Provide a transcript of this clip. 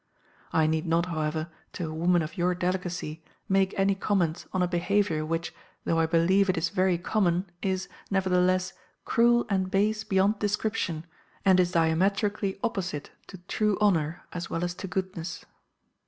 I need not, however, to a woman of your delicacy, make any comments on a behaviour which, though I believe it is very common, is, nevertheless, cruel and base beyond description, and is diametrically opposite to true honour as well as to goodness.